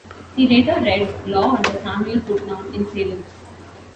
He later read law under Samuel Putnam in Salem.